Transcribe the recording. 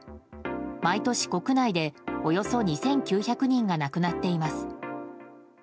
毎年、国内でおよそ２９００人が亡くなっています。